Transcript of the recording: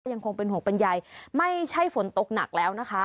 ยังคงเป็นห่วงเป็นใยไม่ใช่ฝนตกหนักแล้วนะคะ